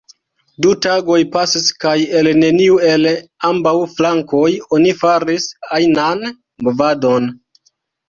Du tagoj pasis kaj el neniu el ambaŭ flankoj oni faris ajnan movadon.